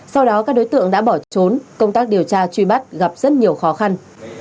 sau đó các đối tượng đã bỏ trốn công tác điều tra truy bắt gặp rất nhiều khó khăn